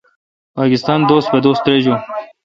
پاکستان دوس پہ دوس ترجون۔